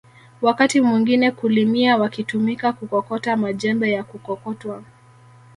Wakati mwingine kulimia wakitumika kukokota majembe ya kukokotwa